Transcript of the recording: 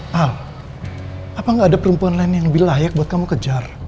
hah apa nggak ada perempuan lain yang lebih layak buat kamu kejar